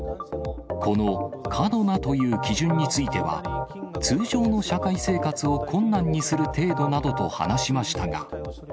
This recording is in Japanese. この過度なという基準については、通常の社会生活を困難にする程度などと話しましたが。